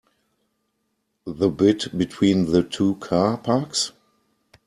The bit between the two car parks?